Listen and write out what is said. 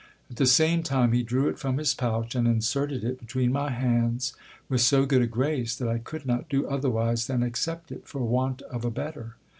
At the same time he drew it from his pouch, and inserted it between my hands with so good a grace, that I could not do otherwise than accept it, for want of a better.